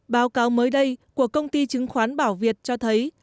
báo cáo mới đây của công ty chứng khoán bảo việt cho thấy